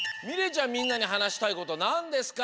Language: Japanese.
みんなにはなしたいことなんですか？